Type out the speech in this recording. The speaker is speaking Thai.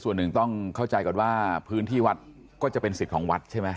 ส่วนหนึ่งต้องเข้าใจก่อนว่าพื้นที่วัดก็จะเป็นสิทธิ์ของวัดใช่ไหม